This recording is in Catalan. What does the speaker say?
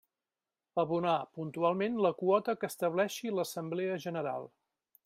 Abonar puntualment la quota que estableixi l'Assemblea General.